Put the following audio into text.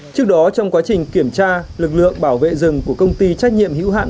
trước đó trong quá trình kiểm tra lực lượng bảo vệ rừng của công ty trách nhiệm hữu hạn